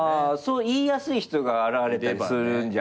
言いやすい人が現れたりするんじゃないの？